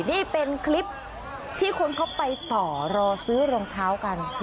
นี่เป็นคลิปที่คนเขาไปต่อรอซื้อรองเท้ากัน